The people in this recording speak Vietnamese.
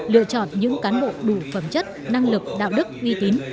lựa chọn những cán bộ đủ phẩm chất năng lực đạo đức uy tín